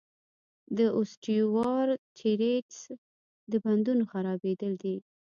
د اوسټیوارتریتس د بندونو خرابېدل دي.